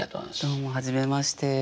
どうも初めまして。